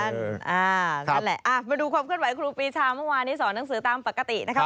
นั่นแหละมาดูความเคลื่อนไหวครูปีชาเมื่อวานนี้สอนหนังสือตามปกตินะครับ